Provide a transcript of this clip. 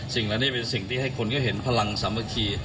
สิ่งนั้นนี่เป็นสิ่งที่ให้คนก็เห็นพลังสำคัญ